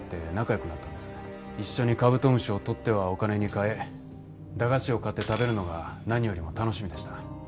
一緒にカブトムシを捕ってはお金に換え駄菓子を買って食べるのが何よりも楽しみでした。